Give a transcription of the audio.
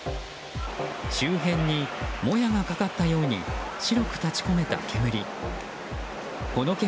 周辺にもやがかかったように白く立ち込めた煙。